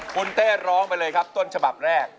คุณเต้ร้องไปเลยครับต้นฉบับแรก